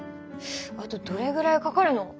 あとどれぐらいかかるの？